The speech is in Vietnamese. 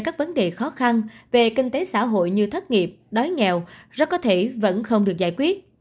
các vấn đề khó khăn về kinh tế xã hội như thất nghiệp đói nghèo rất có thể vẫn không được giải quyết